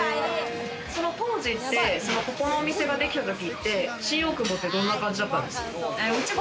当時って、ここの店ができた時って新大久保、どんな感じだったんですか？